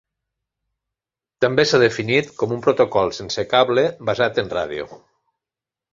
També s'ha definit com un protocol sense cable basat en ràdio.